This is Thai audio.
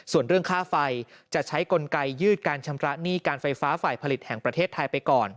ส่วนเรื่องค่าไฟจะใช้กลไกยืดการชำระหนี้การไฟฟ้าฝ่ายผลิตแห่งประเทศไทยไปก่อน